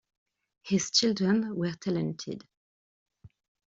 His children were talented.